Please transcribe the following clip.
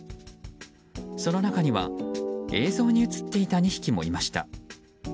その中には映像に映っていた２匹もいました。